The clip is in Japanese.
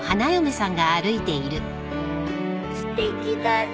すてきだね。